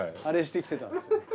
あれしてきてた。